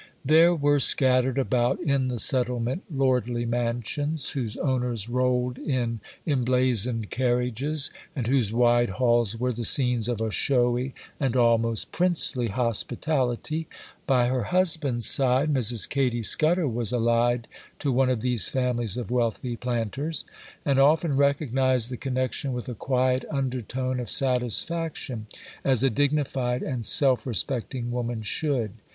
There were scattered about in the settlement lordly mansions, whose owners rolled in emblazoned carriages, and whose wide halls were the scenes of a showy and almost princely hospitality. By her husband's side, Mrs. Katy Scudder was allied to one of these families of wealthy planters, and often recognized the connection with a quiet undertone of satisfaction, as a dignified and self respecting woman should.